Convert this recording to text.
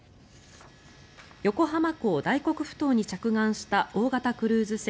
横浜港大黒ふ頭に着岸した大型クルーズ船